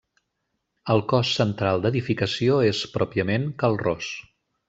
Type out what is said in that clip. El cos central d'edificació és, pròpiament, Cal Ros.